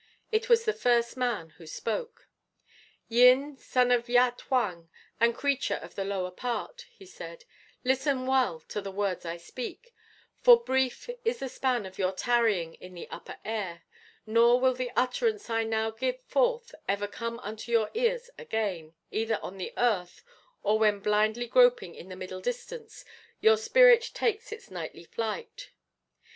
It was the First Man who spoke. "Yin, son of Yat Huang, and creature of the Lower Part," he said, "listen well to the words I speak, for brief is the span of your tarrying in the Upper Air, nor will the utterance I now give forth ever come unto your ears again, either on the earth, or when, blindly groping in the Middle Distance, your spirit takes its nightly flight.